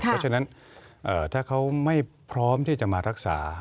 เพราะฉะนั้นถ้าเขาไม่พร้อมที่จะมารักษา